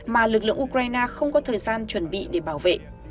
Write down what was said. mà lực lượng ukraine không có thời gian chuẩn bị để bảo vệ